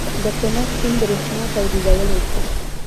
د کنړ سیند بریښنا تولیدولی شي؟